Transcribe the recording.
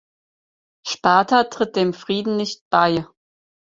Sparta tritt dem Frieden nicht bei.